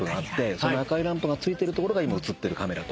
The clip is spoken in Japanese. その赤いランプがついてるところが今映ってるカメラと。